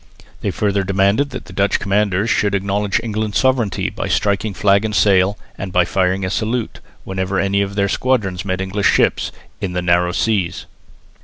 They further demanded that Dutch commanders should acknowledge England's sovereignty by striking flag and sail and by firing a salute, whenever any of their squadrons met English ships "in the narrow seas."